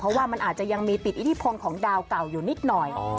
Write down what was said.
เพราะว่ามันอาจจะยังมีติดอิทธิพลของดาวเก่าอยู่นิดหน่อย